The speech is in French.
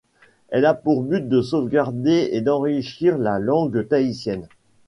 Elle a pour but de sauvegarder et d'enrichir la langue tahitienne.